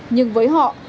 nhưng với họ